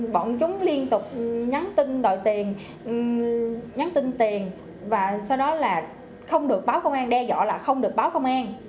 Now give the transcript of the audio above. bọn chúng liên tục nhắn tin đòi tiền nhắn tin tiền và sau đó là không được báo công an đe dọa là không được báo công an